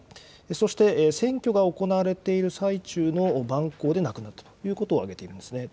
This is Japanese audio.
そして、選挙が行われている最中の蛮行で亡くなったということを挙げていますね。